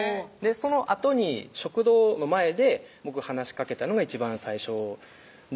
そのあとに食堂の前で僕話しかけたのが一番最初ですね